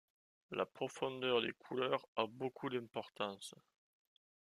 La profondeur des couleurs a beaucoup d'importance.